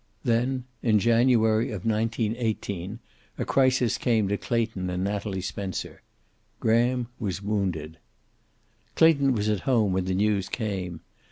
Then, in January of 1918, a crisis came to Clayton and Natalie Spencer. Graham was wounded. Clayton was at home when the news came.